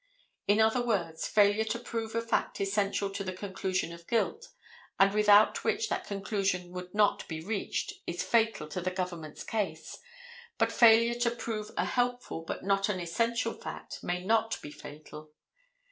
In other words, failure to prove a fact essential to the conclusion of guilt, and without which that conclusion would not be reached, is fatal to the government's case, but failure to prove a helpful but not an essential fact may not be fatal.